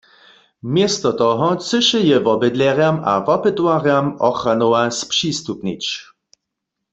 Město toho chcyše je wobydlerjam a wopytowarjam Ochranowa spřistupnić.